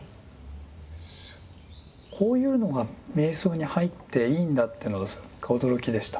こういうのが瞑想に入っていいんだっていうのが驚きでした。